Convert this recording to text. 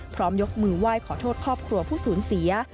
ยกมือไหว้ขอโทษครอบครัวผู้สูญเสีย